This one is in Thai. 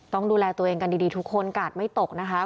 ต้องดูแลตัวเองกันดีทุกคนกาดไม่ตกนะคะ